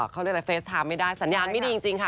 เขาเรียกอะไรเฟสไทม์ไม่ได้สัญญาณไม่ดีจริงค่ะ